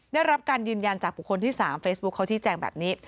ได้รับการยืนยันจากบุคคลที่๓เฟซบุ๊คเขาชี้แจงแบบนี้